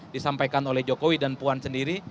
disampaikan oleh jokowi dan puan sendiri